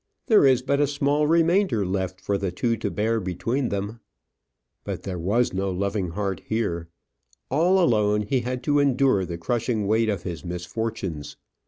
There is but a small remainder left for the two to bear between them. But there was no loving heart here. All alone he had to endure the crushing weight of his misfortunes.